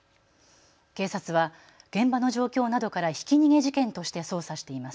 警察は現場の状況などからひき逃げ事件として捜査しています。